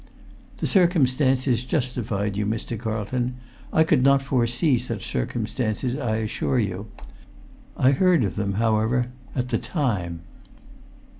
"The circumstances justified you, Mr. Carlton. I could not foresee such circumstances, I assure you. I heard of them, however, at the time."